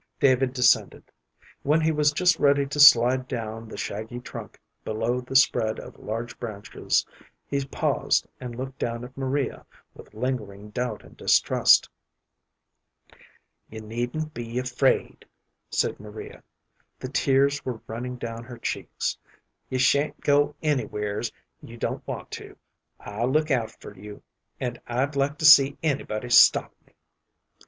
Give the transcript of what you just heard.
David descended. When he was just ready to slide down the shaggy trunk below the spread of large branches, he paused and looked down at Maria with lingering doubt and distrust. "You needn't be afraid," said Maria. The tears were running down her cheeks. "You sha'n't go anywheres you don't want to. I'll look out for you, and I'd like to see anybody stop me."